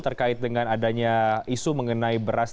terkait dengan adanya isu mengenai beras